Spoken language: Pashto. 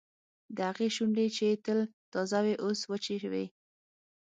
د هغې شونډې چې تل تازه وې اوس وچې وې